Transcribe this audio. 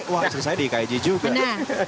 wah saya di ikaj juga